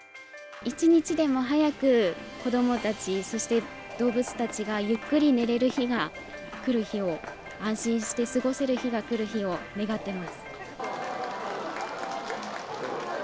一日でも早く、子どもたち、そして動物たちがゆっくり寝れる日が来る日を、安心して過ごせる日が来る日を願っています。